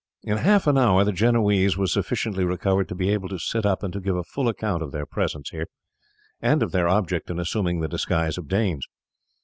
In half an hour the Genoese was sufficiently recovered to be able to sit up and to give a full account of their presence there, and of their object in assuming the disguise of Danes.